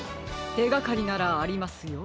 てがかりならありますよ。